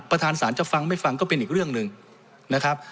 สารจะฟังไม่ฟังก็เป็นอีกเรื่องหนึ่งนะครับ